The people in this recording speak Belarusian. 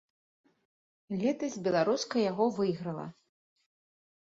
Летась беларуска яго выйграла.